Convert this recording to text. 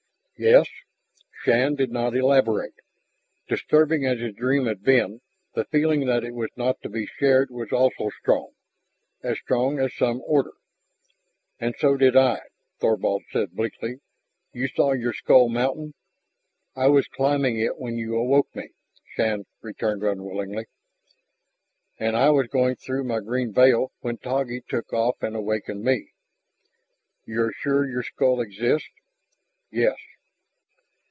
"Yes." Shann did not elaborate. Disturbing as his dream had been, the feeling that it was not to be shared was also strong, as strong as some order. "And so did I," Thorvald said bleakly. "You saw your skull mountain?" "I was climbing it when you awoke me," Shann returned unwillingly. "And I was going through my green veil when Taggi took off and wakened me. You are sure your skull exists?" "Yes."